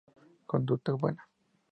Conducta buena.